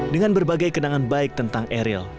dengan berbagai kenangan baik tentang eril